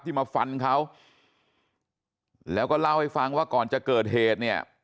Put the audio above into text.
มาฟันเขาแล้วก็เล่าให้ฟังว่าก่อนจะเกิดเหตุเนี่ย